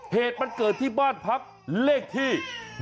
เหตุมันเกิดที่บ้านพักเลขที่